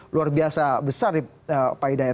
luar biasa besar pak hidayat